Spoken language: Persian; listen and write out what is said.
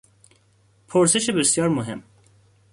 پرسش بسیار مهم